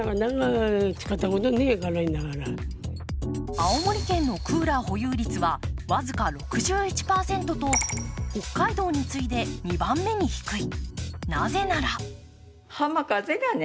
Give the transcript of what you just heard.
青森県のクーラー保有率は僅か６１％と北海道に次いで２番目に低い。